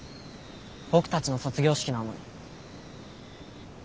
僕たちの卒業式なのに。